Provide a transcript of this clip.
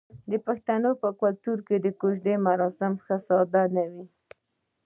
آیا د پښتنو په کلتور کې د کوژدې مراسم ساده نه وي؟